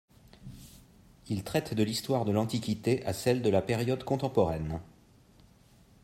Ils traitent de l’histoire de l’Antiquité à celle de la période contemporaine.